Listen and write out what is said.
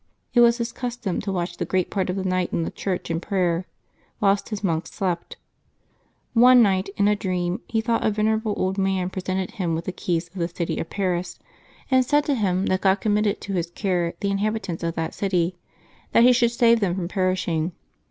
It was his custom to watch the great part of the night in the church in prayer, whilst his monks slept. One night, in a dream, he thought May 29] LIVES OF THE SAINTS 197 a yenerable old man presented him witli the keys of the city of Paris, and said to him that God committed to his care the inhabitants of that city, that he should save them from perishing.